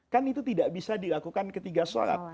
kan itu tidak bisa dilakukan ketiga solat